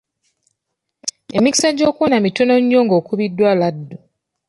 Emikisa gy'okuwona mitono nnyo ng'okubiddwa laddu.